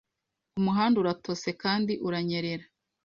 Umuhanda uratose kandi uranyerera.